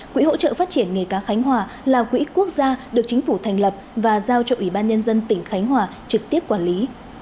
quỹ hỗ trợ phát triển nghề cá khánh hòa là quỹ quốc gia được chính phủ thành lập và giao cho ủy ban nhân dân tỉnh khánh hòa trực tiếp quản lý